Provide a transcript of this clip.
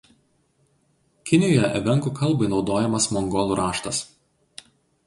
Kinijoje evenkų kalbai naudojamas mongolų raštas.